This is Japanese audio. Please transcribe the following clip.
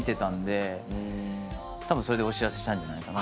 たぶんそれでお知らせしたんじゃないかな？